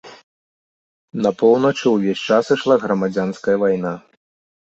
На поўначы ўвесь час ішла грамадзянская вайна.